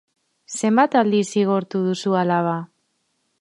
Zenbat aldiz zigortu duzu alaba?